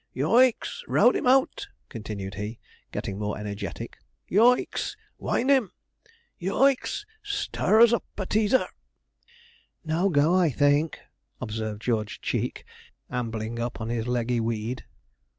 'Y o o icks! rout him out!' continued he, getting more energetic. 'Y o o icks! wind him! Y o o icks! stir us hup a teaser!' 'No go, I think,' observed George Cheek, ambling up on his leggy weed.